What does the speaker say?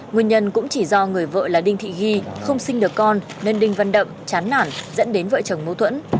nguyên nhân cũng chỉ do người vợ là đinh thị ghi không sinh được con nên đinh văn đậm chán nản dẫn đến vợ chồng mâu thuẫn